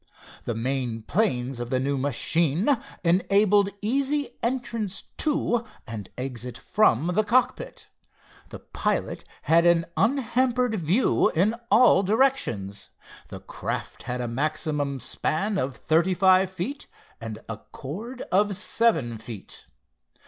The main planes of the new machine enabled easy entrance to, and exit from, the cockpit. The pilot had an unhampered view in all directions. The craft had a maximum span of thirty five feet and a chord of seven feet.